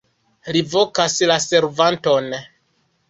Li vokas la servanton.